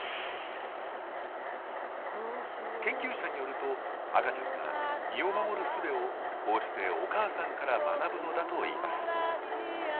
研究者によると赤ちゃんは身を守るすべをこうしてお母さんから学ぶのだといいます。